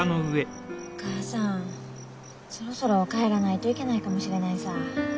お母さんそろそろ帰らないといけないかもしれないさぁ。